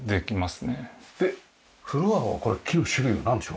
フロアはこれ木の種類はなんでしょう？